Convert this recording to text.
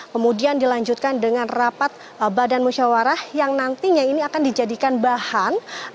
kemudian dilanjutkan dengan rapat badan musyawarah yang nantinya ini akan dijadikan bahan